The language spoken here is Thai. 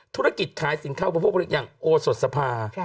ธุรกิจขายสินเข้าผลิตพลังงานอย่างโอสธสภา